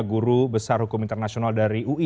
guru besar hukum internasional dari ui